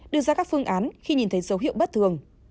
đưa ra các phương án khi nhìn thấy dấu hiệu bất thường